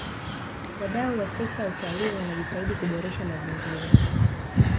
wadau wa sekta ya utalii wanajitahidi kuboresha mazingira